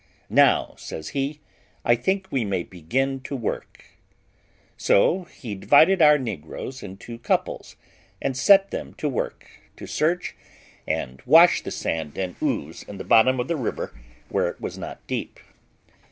"Now," says he, "I think we may begin to work;" so he divided our negroes into couples and set them to work, to search and wash the sand and ooze in the bottom of the water where it was not deep.